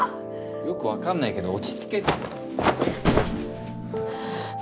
よくわかんないけど落ち着けって。